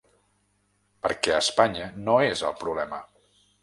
Perquè Espanya no és el problema.